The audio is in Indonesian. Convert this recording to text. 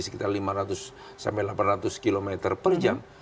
sekitar lima ratus sampai delapan ratus km per jam